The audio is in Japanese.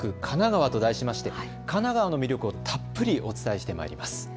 神奈川と題してまして神奈川の魅力をたっぷりお伝えしてまいります。